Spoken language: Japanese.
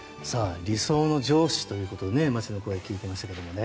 理想の上司ということで街の声を聞いてみましたが。